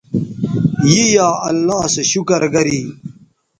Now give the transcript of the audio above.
ی یا اللہ سو شکر گری